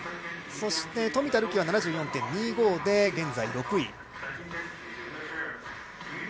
そして、冨田るきは７４．２５で現在６位。